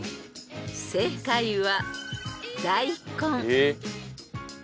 ［正解は］